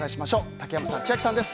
竹山さん、千秋さんです。